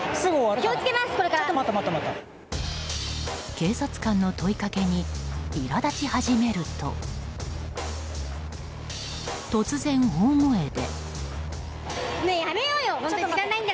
警察官の問いかけにいら立ち始めると突然、大声で。